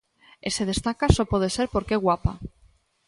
E se destaca, só pode ser porque é guapa.